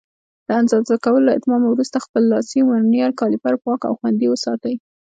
د اندازه کولو له اتمامه وروسته خپل لاسي ورنیر کالیپر پاک او خوندي وساتئ.